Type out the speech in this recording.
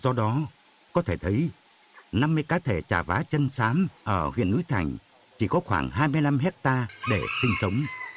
do đó có thể thấy năm mươi cá thể trà vá chân sám ở huyện núi thành chỉ có khoảng hai mươi năm hectare để sinh sống